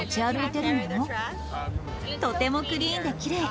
とてもクリーンできれい。